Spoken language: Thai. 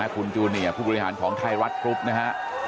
คุณจูเนียร์ผู้บริหารของไทยรัฐกรุ๊ปนะฮะ